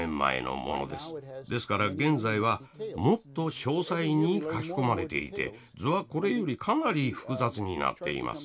ですから現在はもっと詳細に書き込まれていて図はこれよりかなり複雑になっています。